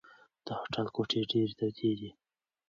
د هوټل کوټې ډېرې تودې دي.